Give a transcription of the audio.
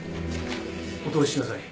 お通ししなさい。